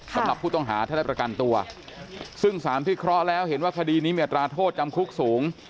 สำหรับผู้ต้องหาถ้าได้ประกันตัวซึ่งสารพิเคราะห์แล้วเห็นว่าคดีนี้มีอัตราโทษจำคุกสูง